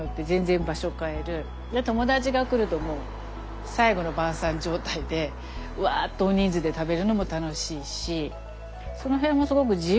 で友達が来るともう最後の晩餐状態でわっと大人数で食べるのも楽しいしその辺もすごく自由に使えるので。